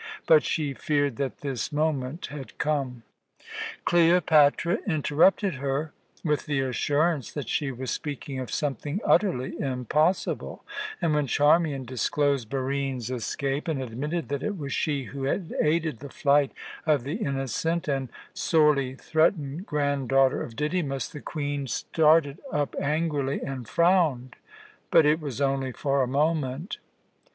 But she feared that this moment had come. Cleopatra interrupted her with the assurance that she was speaking of something utterly impossible; and when Charmian disclosed Barine's escape, and admitted that it was she who had aided the flight of the innocent and sorely threatened granddaughter of Didymus, the Queen started up angrily and frowned, but it was only for a moment.